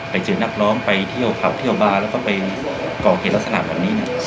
ไปเจอนักร้องไปเที่ยวผับเที่ยวบาร์แล้วก็ไปก่อเหตุลักษณะแบบนี้เนี่ย